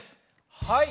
はい。